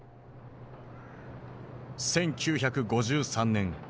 １９５３年。